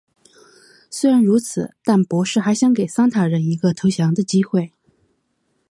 虽然如此但博士还想给桑塔人一个投降的机会。